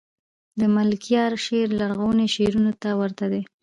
دملکیار شعر لرغونو شعرونو ته ورته دﺉ.